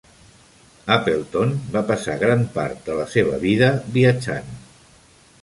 Appleton va passar gran part de la seva vida viatjant.